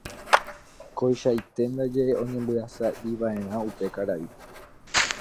Koichaite ndaje oñembyasýmiva'erã upe karai